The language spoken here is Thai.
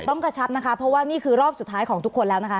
กระชับนะคะเพราะว่านี่คือรอบสุดท้ายของทุกคนแล้วนะคะ